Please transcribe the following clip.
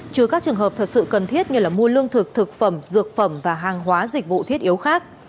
trừ các trường hợp thật sự cần thiết như mua lương thực thực phẩm dược phẩm và hàng hóa dịch vụ thiết yếu khác